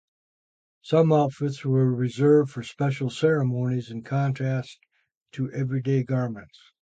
Some outfits were reserved for special ceremonies in contrast to everyday garments.